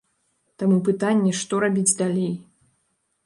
Таму пытанне, што рабіць далей.